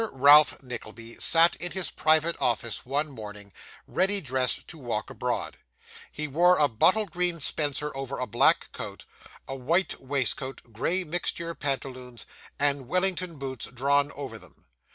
Ralph Nickleby sat in his private office one morning, ready dressed to walk abroad. He wore a bottle green spencer over a blue coat; a white waistcoat, grey mixture pantaloons, and Wellington boots drawn over them.